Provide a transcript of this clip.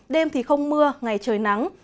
đêm thì không mưa ngày trời nắng